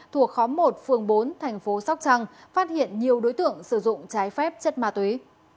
thuộc khóm một phường bốn thành phố sóc trăng phát hiện nhiều đối tượng sử dụng trái phép chất ma túy